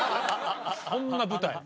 そんな舞台。